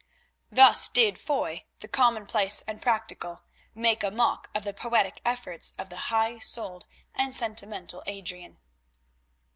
Thus did Foy, the commonplace and practical, make a mock of the poetic efforts of the high souled and sentimental Adrian.